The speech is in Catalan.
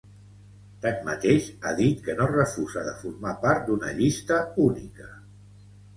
Tanmateix, ha dit que no refusa de formar part d’una llista única.